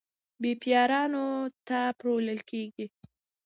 بېپارانو ته پلورل کیږي.